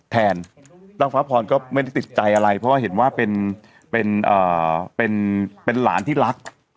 แทนแล้วเจ้าพระภรรย์ก็ไม่ได้ติดใจอะไรเพราะเห็นว่าเป็นหลานที่รัก